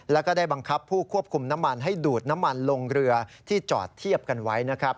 แล้วก็ได้บังคับผู้ควบคุมน้ำมันให้ดูดน้ำมันลงเรือที่จอดเทียบกันไว้นะครับ